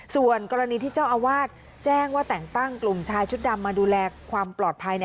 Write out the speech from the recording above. ส่วนกรณีที่เจ้าอาวาสแจ้งว่าแต่งตั้งกลุ่มชายชุดดำมาดูแลความปลอดภัย